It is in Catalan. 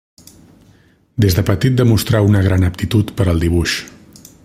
Des de petit demostrà una gran aptitud per al dibuix.